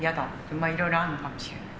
まあいろいろあるのかもしれない。